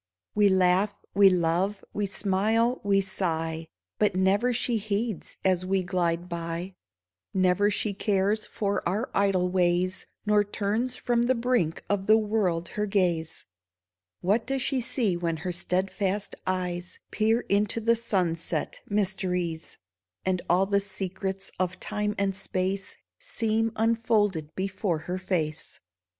We laugh, we love, we smile, we sigh, But never she heeds as we glide by — Never she cares for our idle ways Nor turns from the brink of the world her gaze ! THE LADY OF THE PROW 393 What does she see when her steadfast eyes Peer into the sunset mysteries, And all the secrets of time and space Seem unfolded before her face